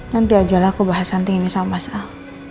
nanti ajalah aku bahas hanting ini sama mas al